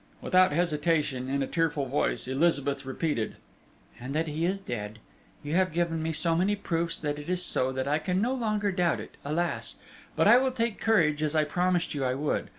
Without hesitation, in a tearful voice, Elizabeth repeated: "And that he is dead. You have given me so many proofs that it is so, that I can no longer doubt it, alas! But I will take courage, as I promised you I would.